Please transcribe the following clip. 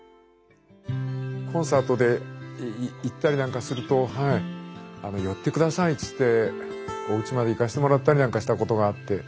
コンサートで行ったりなんかすると「寄ってください」って言っておうちまで行かしてもらったりなんかしたことがあって。